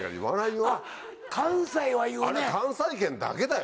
あれ関西圏だけだよ